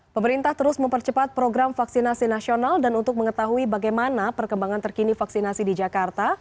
pemerintah terus mempercepat program vaksinasi nasional dan untuk mengetahui bagaimana perkembangan terkini vaksinasi di jakarta